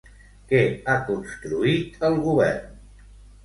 Què ha construït el govern?